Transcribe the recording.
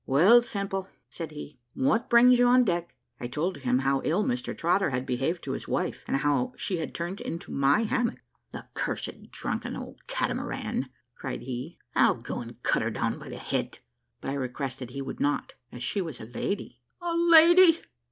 "Well, Simple," said he, "what brings you on deck?" I told him how ill Mr Trotter had behaved to his wife, and how she had turned into my hammock. "The cursed drunken old catamaran," cried he; "I'll go and cut her down by the head:" but I requested he would not, as she was a lady. "A lady!"